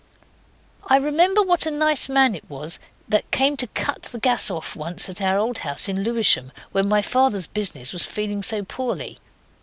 I remember what a nice man it was that came to cut the gas off once at our old house in Lewisham, when my father's business was feeling so poorly.